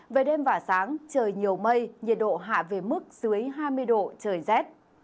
về đêm và sáng trời nhiều mây nhiệt độ hạ về mức dưới hai mươi độ trời rét